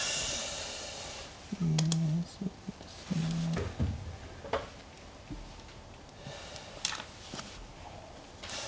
うんそうですね。